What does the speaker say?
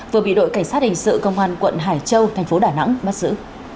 vừa bị đội cảnh sát hình sự công an quận hải châu thành phố đà nẵng bắt giữ